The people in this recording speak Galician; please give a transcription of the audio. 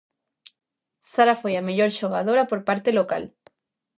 Sara foi a mellor xogadora por parte local.